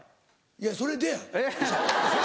いや「それで？」や。